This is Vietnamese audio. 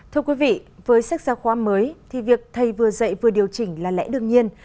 thưa quý vị với sách giáo khoa mới thì việc thầy vừa dạy vừa điều chỉnh là lẽ đương nhiên